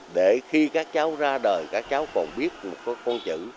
để khi các cháu ra đời các cháu còn biết một con chữ